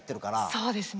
そうですね。